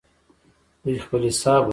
دوی خپل حساب ورکوي.